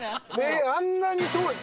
あんなに遠い。